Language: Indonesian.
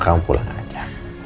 kamu pulang aja